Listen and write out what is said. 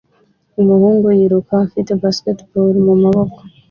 umuhungu yiruka afite basketball mumaboko